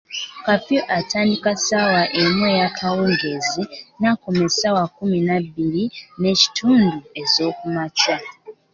Kaafiyu atandika essaawa emu eyakawungeezi n'akoma essaawa kkumi na bbiri n'ekitundu ezookumakya.